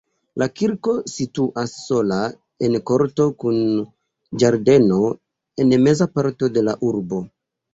La kirko situas sola en korto kun ĝardeno en meza parto de la urbo.